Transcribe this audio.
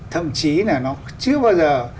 thậm chí là nó chưa bao giờ